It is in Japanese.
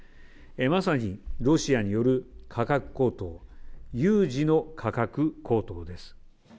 まさにロシアによる価格高騰、有事の価格高騰です。